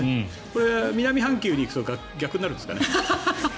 これ、南半球に行くと逆になるんですかね。